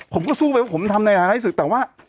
ผมก็สู้ไปว่าผมทำในฐานะที่แต่ว่า